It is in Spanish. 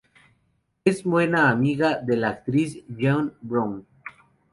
Es muy buena amiga de la actriz June Brown.